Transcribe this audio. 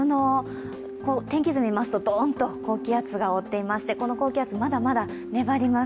天気図を見ますと、どーんと高気圧が覆っていましてこの高気圧、まだまだ粘ります。